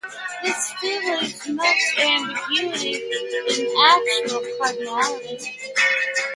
This still leaves much ambiguity in the actual cardinality.